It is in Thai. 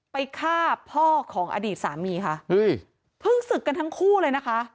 ไปฆ่าพ่อของอดีตสามีค่ะเฮ้ยเพิ่งศึกกันทั้งคู่เลยนะคะ